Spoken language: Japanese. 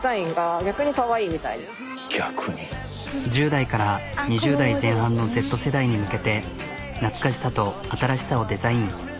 １０代から２０代前半のＺ世代に向けて懐かしさと新しさをデザイン。